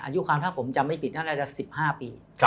อายุความถ้าผมจำไม่ผิดน่าจะ๑๕ปี